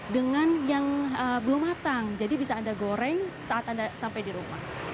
dengan yang belum matang jadi bisa anda goreng saat anda sampai di rumah